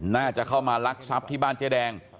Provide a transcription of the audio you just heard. น่าจะเข้ามาลักทรัพย์ที่บ้านเจ๊แดง